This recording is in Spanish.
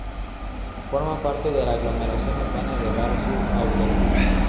Forma parte de la aglomeración urbana de Bar-sur-Aube.